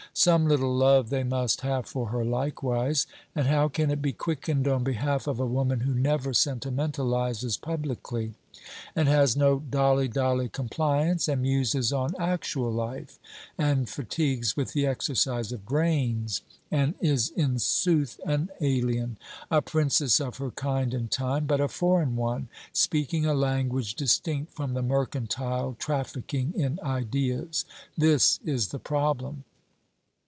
Some little love they must have for her likewise: and how it can be quickened on behalf of a woman who never sentimentalizes publicly, and has no dolly dolly compliance, and muses on actual life, and fatigues with the exercise of brains, and is in sooth an alien: a princess of her kind and time, but a foreign one, speaking a language distinct from the mercantile, trafficking in ideas: this is the problem.